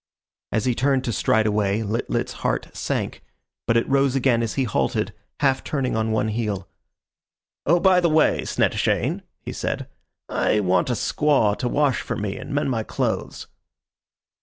As he turned to stride away Lit lit's heart sank; but it rose again as he halted, half turning on one heel. "Oh, by the way, Snettishane," he said, "I want a squaw to wash for me and mend my clothes."